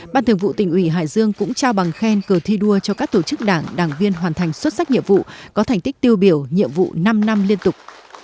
ban thường vụ tỉnh ủy hải dương cũng trao bằng khen cờ thi đua cho các tổ chức đảng đảng viên hoàn thành xuất sắc nhiệm vụ có thành tích tiêu biểu nhiệm vụ năm năm liên tục